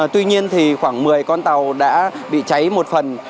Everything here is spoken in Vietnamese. tuy nhiên thì khoảng một mươi con tàu đã bị cháy một phần